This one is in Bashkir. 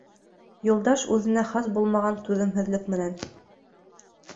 Юлдаш үҙенә хас булмаған түҙемһеҙлек менән: